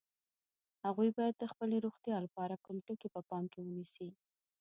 هغوی باید د خپلې روغتیا لپاره کوم ټکي په پام کې ونیسي؟